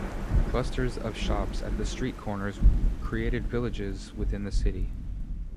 Clusters of shops at the street corners created villages within the city.